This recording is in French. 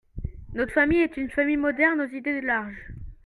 Notre famille est une famille moderne aux idées larges.